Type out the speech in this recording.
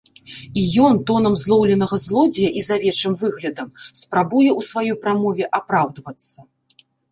І ён, тонам злоўленага злодзея і з авечым выглядам, спрабуе ў сваёй прамове апраўдвацца.